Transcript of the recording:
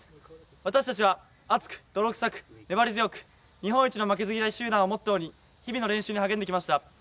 私たちは、熱く泥臭く粘り強く日本一の負けず嫌い集団をモットーに日々の練習に励んできました。